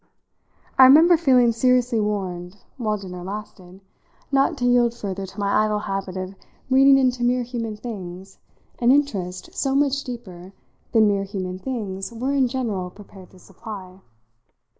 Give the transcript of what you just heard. I remember feeling seriously warned, while dinner lasted, not to yield further to my idle habit of reading into mere human things an interest so much deeper than mere human things were in general prepared to supply.